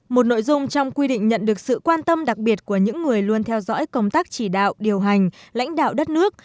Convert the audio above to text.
một nội dung trong quy định nhận được sự quan tâm đặc biệt của những người luôn theo dõi công tác chỉ đạo điều hành lãnh đạo đất nước